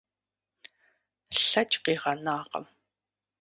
Лъэкӏ къигъэнакъым.